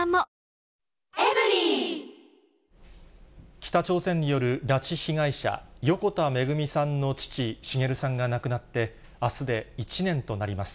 北朝鮮による拉致被害者、横田めぐみさんの父、滋さんが亡くなって、あすで１年となります。